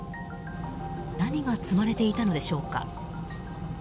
何が積まれていたのでしょうか。